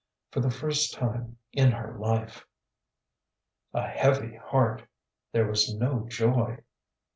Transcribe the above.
For the first time in her life. A HEAVY heart there was no joy.